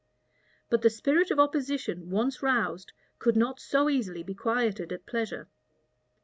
But the spirit of opposition, once roused, could not so easily be quieted at pleasure.